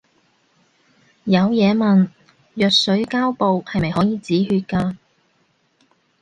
有嘢問，藥水膠布係咪可以止血㗎